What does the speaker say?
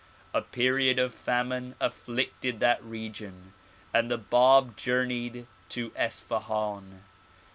A period of famine afflicted that region and the Bab journeyed to Isfahan.